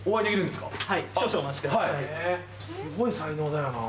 すごい才能だよなぁ。